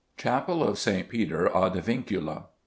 _Chapel of St. Peter ad Vincula.